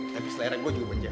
tapi selera gue juga penjahat